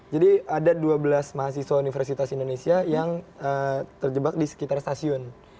jadi ada dua belas mahasiswa universitas indonesia yang terjebak di sekitar stasiun